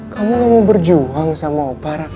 kamu gak mau berjuang sama opa raff